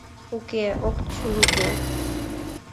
— Уке, ок чӱҥгӧ!